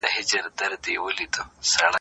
د اسلامي شريعت کمالي ځانګړتياوي کومي دي؟